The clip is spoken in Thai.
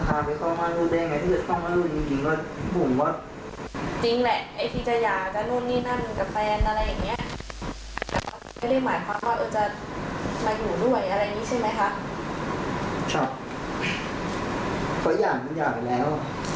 แฟนเขาแจ้งข่าวอยู่แล้วว่าหยาก็คือเรื่องร้านอยู่แล้ว